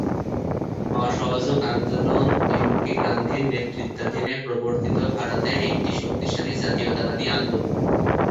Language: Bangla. অসহযোগ আন্দোলন এম.কে গান্ধীর নেতৃত্বাধীনে প্রবর্তিত ভারতের একটি শক্তিশালী জাতীয়তাবাদী আন্দোলন।